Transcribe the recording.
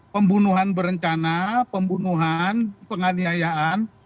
pembunuhan berencana pembunuhan penganiayaan